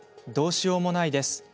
どうしようもないです。